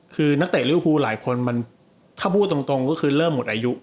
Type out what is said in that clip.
คือนักเตะริวภูหลายคนมันถ้าพูดตรงก็คือเริ่มหมดอายุ